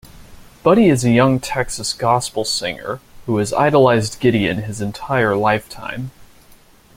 Buddy is a young Texas gospel singer, who has idolized Gideon his entire lifetime.